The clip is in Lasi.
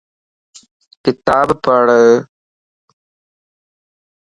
کتاب پڙھ